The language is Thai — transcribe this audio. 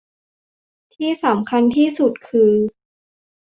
ที่สำคัญที่สุดคือ